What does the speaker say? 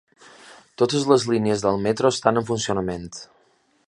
Totes les línies del metro estan en funcionament